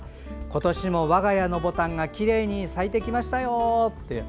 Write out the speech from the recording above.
今年も我が家のぼたんがきれいに咲いてきましたよって。